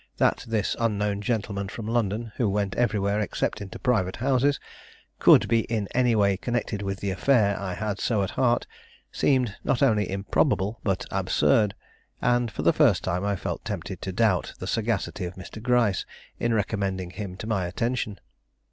That this unknown gentleman from London, who went everywhere except into private houses, could be in any way connected with the affair I had so at heart, seemed not only improbable but absurd; and for the first time I felt tempted to doubt the sagacity of Mr. Gryce in recommending him to my attention.